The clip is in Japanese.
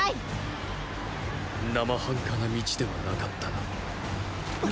生半可な道ではなかったな。